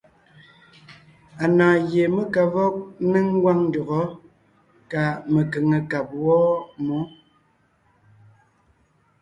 Anɔ̀ɔn gie mé ka vɔg ńnéŋ ngwáŋ ndÿɔgɔ́ kà mekʉ̀ŋekab wɔ́ɔ mǒ.